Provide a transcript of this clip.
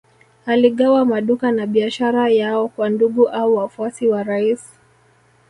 Aligawa maduka na biashara yao kwa ndugu au wafuasi wa rais